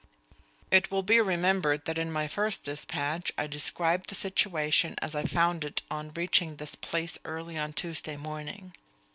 It will be remembered that in my first despatch I described the situation as I found it on reaching this place early on Tuesday morning.